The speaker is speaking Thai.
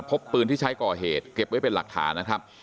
พบปืนที่ใช้ก่อเหตุเก็บไว้เป็นหลักฐานนะครับ